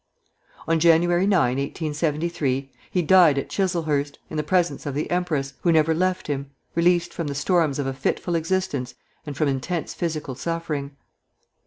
On Jan. 9, 1873, he died at Chiselhurst, in the presence of the empress, who never left him, released from the storms of a fitful existence and from intense physical suffering.